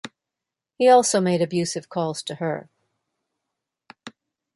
He also made abusive calls to her.